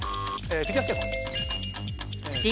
フィギュアスケート。